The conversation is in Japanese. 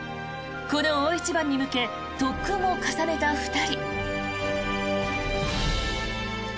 この大一番に向け特訓を重ねた２人。